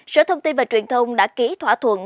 sở thông tin và truyền thông đã ký thỏa thuận